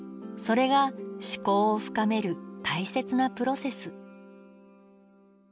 それが思考を深める大切なプロセス。